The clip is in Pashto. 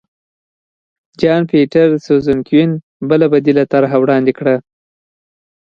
جان پیټرسزونکوین بله بدیله طرحه وړاندې کړه.